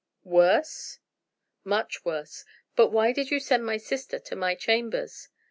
"Worse?" "Much worse. But why did you send my sister to my chambers?"